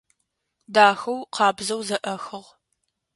Дахэу, къабзэу зэӏэхыгъ.